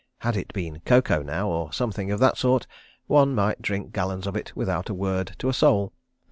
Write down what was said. Had it been cocoa, now, or something of that sort, one might drink gallons of it without a word to a soul.